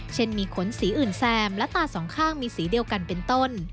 เช่นมีขนสีอื่นแซมและตาสองข้างมีสีเดียวกันเป็นต้น